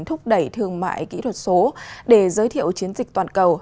thúc đẩy thương mại kỹ thuật số để giới thiệu chiến dịch toàn cầu